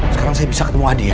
sekarang saya bisa ketemu adi ya